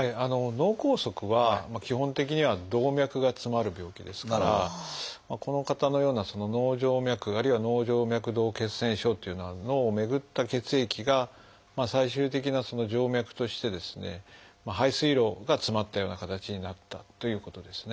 脳梗塞は基本的には動脈が詰まる病気ですからこの方のような脳静脈あるいは脳静脈洞血栓症っていうのは脳を巡った血液が最終的な静脈として排水路が詰まったような形になったということですね。